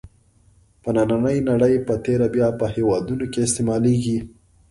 په نننۍ نړۍ په تېره بیا په هېوادونو کې استعمالېږي.